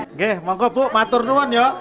oke maka bu maturnuan ya